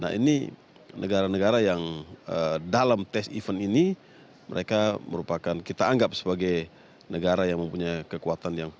nah ini negara negara yang dalam tes event ini mereka merupakan kita anggap sebagai negara yang mempunyai kekuatan yang